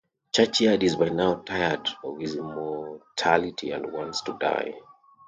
Churchyard is by now tired of his immortality and wants to die.